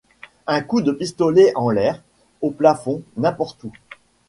Un coup de pistolet en l’air, au plafond, n’importe où.